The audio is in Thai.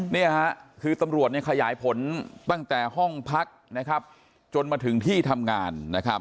นี่คือตำรวจขยายผลตั้งแต่ห้องพักจนมาถึงที่ทำงาน